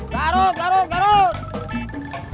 garut garut garut